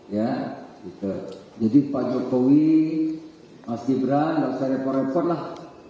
ya gitu jadi pak jokowi mas gibran tak usah repot repot lah